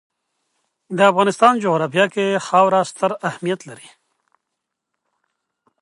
د افغانستان جغرافیه کې خاوره ستر اهمیت لري.